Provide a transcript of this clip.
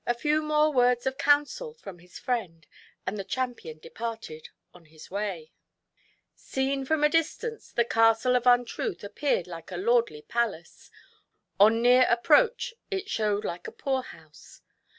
A few more words of counsel from his friend, and the champion departed on his way. GIANT UNTRUTH, Seen from a distance the Castle of Untruth appeared like a lordly palace, on near approach it showed like a poor house.